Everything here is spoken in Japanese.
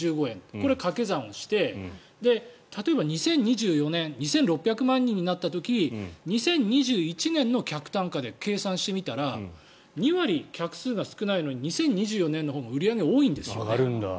これを掛け算して例えば２０２４年２６００万人になった時２０２１年の客単価で計算してみたら２割客数が少ないのに２０２４年のほうが売り上げが多いんですよね。